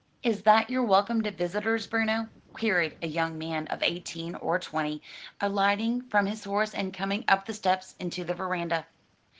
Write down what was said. "Is that your welcome to visitors, Bruno?" queried a young man of eighteen or twenty, alighting from his horse and coming up the steps into the veranda.